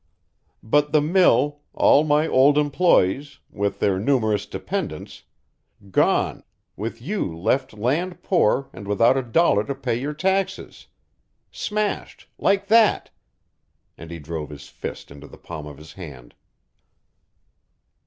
But the mill, all my old employees, with their numerous dependents gone, with you left land poor and without a dollar to pay your taxes. Smashed like that!" And he drove his fist into the palm of his hand.